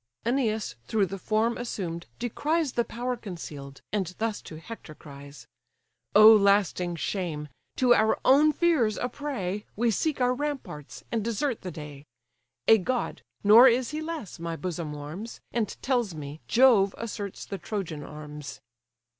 Æneas through the form assumed descries The power conceal'd, and thus to Hector cries: "Oh lasting shame! to our own fears a prey, We seek our ramparts, and desert the day. A god, nor is he less, my bosom warms, And tells me, Jove asserts the Trojan arms."